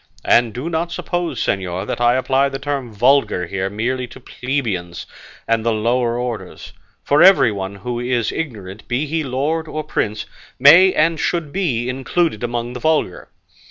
And do not suppose, señor, that I apply the term vulgar here merely to plebeians and the lower orders; for everyone who is ignorant, be he lord or prince, may and should be included among the vulgar.